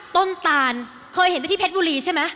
ตานเคยเห็นแต่ที่เพชรบุรีใช่ไหม